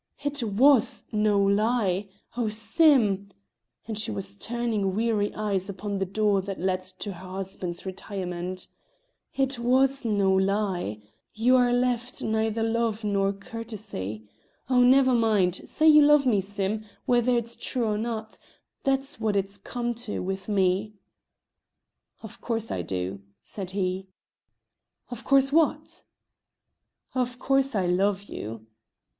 "It was no lie. Oh, Sim!" (And still she was turning wary eyes upon the door that led to her husband's retirement.) "It was no lie; you're left neither love nor courtesy. Oh, never mind! say you love me, Sim, whether it's true or not: that's what it's come to with me." "Of course I do," said he. "Of course what?" "Of course I love you."